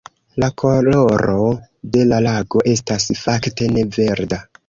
La koloro de la lago estas, fakte, ne verda.